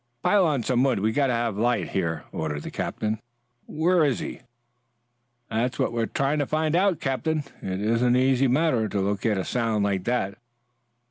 "Pile on some wood. We've got to have light here," ordered the captain. "Where was he?" "That's what we're trying to find out, Captain. It isn't any easy matter to locate a sound like that.